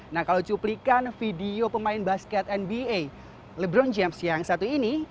nah kalau cuplikan video pemain basket nba lebron james yang satu ini